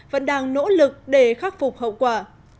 vẫn đang nỗ lực để khắc phục hậu quả